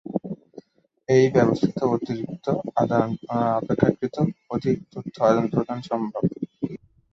এই বাবস্থায় অপেক্ষাকৃত অধিক তথ্য আদান-প্রদান সম্ভব।